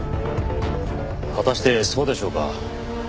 果たしてそうでしょうか？